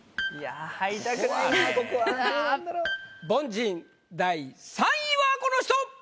凡人第３位はこの人！